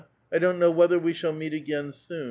I don't know whether we shall '^^^t; again soon.